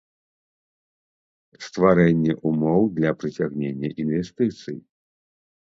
Стварэнне ўмоў для прыцягнення iнвестыцый.